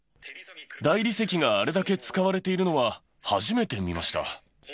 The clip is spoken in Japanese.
大理石があれだけ使われているのは、初めて見ました。